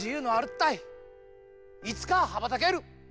いつかはばたける！